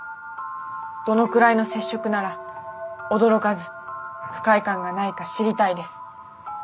どのくらいの接触なら驚かず不快感がないか知りたいです。